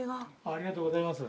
ありがとうございます。